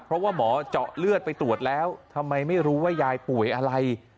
เพราะว่าหมอเจาะเลือดไปตรวจแล้วทำไมไม่รู้ว่ายายป่วยอะไร